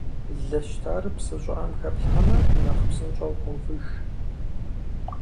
Лы щтар псы щӏыӏэм хэплъхьэмэ, нэхъ псынщӏэу къовыж.